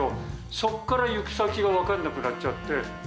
そこから行き先が分かんなくなっちゃって。